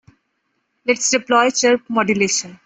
Let's deploy chirp modulation.